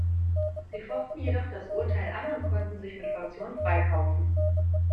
Sie fochten jedoch das Urteil an und konnten sich mit Kaution freikaufen.